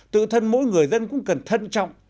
tự thân mỗi người dân cũng cần thân trọng